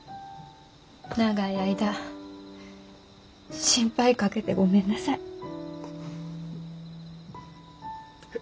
長い間心配かけてごめんなさい。